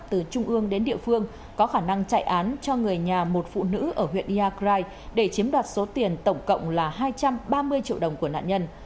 từ trung ương đến địa phương có khả năng chạy án cho người nhà một phụ nữ ở huyện iagrai để chiếm đoạt số tiền tổng cộng là hai trăm ba mươi triệu đồng của nạn nhân